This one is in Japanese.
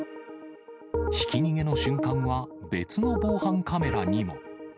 ひき逃げの瞬間は、別の防犯カメラにも。